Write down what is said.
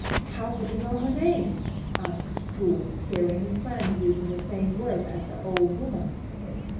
"How could you know her name?" asked Chu, hearing his friend use the same words as the old woman.